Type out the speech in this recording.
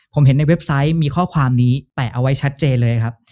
ผมเห็นในเว็บไซต์มีข้อความนี้แปะเอาไว้ชัดเจนเลยครับ